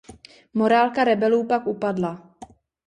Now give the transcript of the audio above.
Morálka rebelů pak upadla.